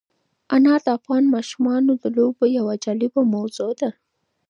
انار د افغان ماشومانو د لوبو یوه جالبه موضوع ده.